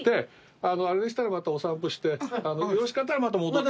あれでしたらまたお散歩してよろしかったらまた戻って。